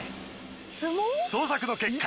捜索の結果